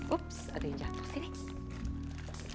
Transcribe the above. ups ada yang jatuh sini